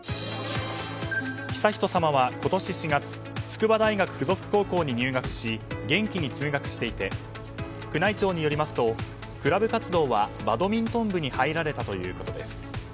悠仁さまは今年４月筑波大学付属高校に入学し元気に通学していて宮内庁によりますとクラブ活動はバドミントン部に入られたということです。